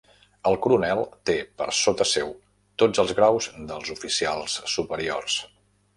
El coronel té per sota seu tots els graus dels oficials superiors.